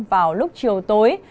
vào lúc chiều tối